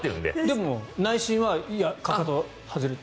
でも内心はかかと外れて。